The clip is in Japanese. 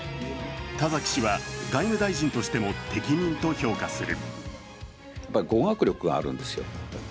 田崎氏は、外務大臣としても適任と評価する。